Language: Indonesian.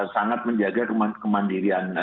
sangat menjaga kemandirian